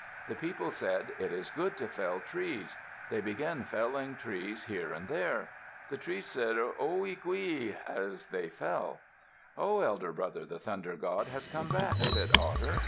The people said, "It is good to fell trees." They began felling trees here and there. The trees said, "Qwi! qwi!" as they fell. "Ho! elder brother, the Thunder God has come back," said Otter.